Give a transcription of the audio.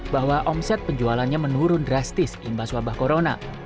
bahwa omset penjualannya menurun drastis imbas wabah corona